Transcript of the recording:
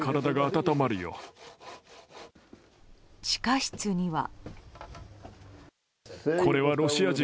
地下室には。